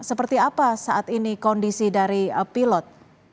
seperti apa saat ini kondisi dari pilot